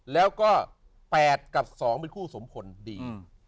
แล้วก็๘กับ๒เป็นคู่สมผลดี